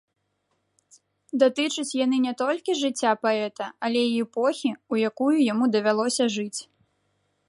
Датычаць яны не толькі жыцця паэта, але і эпохі, у якую яму давялося жыць.